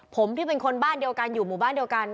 ผมที่เป็นคนบ้านเดียวกันอยู่หมู่บ้านเดียวกัน